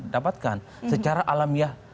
dapatkan secara alamiah